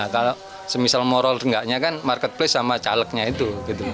kalau semisal moral enggaknya kan marketplace sama calegnya itu